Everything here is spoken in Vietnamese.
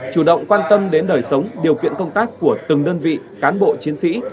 chủ động quan tâm đến đời sống điều kiện công tác của từng đơn vị cán bộ chiến sĩ